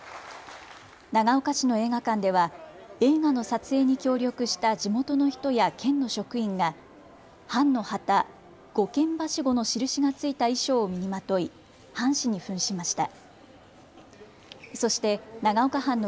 長岡市の映画館では映画の撮影に協力した地元の人や県の職員が藩の旗、五間梯子の印がついた衣装を身にまとい藩士にふんしました。